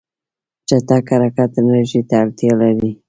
چټک حرکت انرژي ته اړتیا لري.